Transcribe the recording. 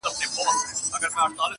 انسان د احسان تابع دئ.